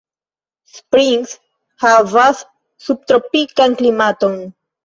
Springs havas subtropikan klimaton.